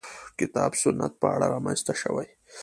کتاب سنت په اړه رامنځته شوې.